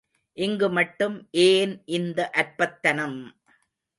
இங்கு மட்டும் ஏன் இந்த அற்பத்தனம்!